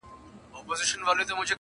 بېخبره مي هېر کړي نعمتونه،